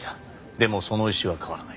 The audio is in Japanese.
でもその意志は変わらない。